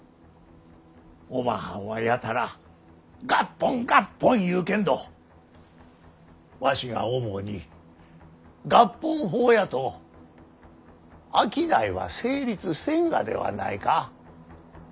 おまはんはやたら合本合本言うけんどわしが思うに合本法やと商いは成立せんがではないか。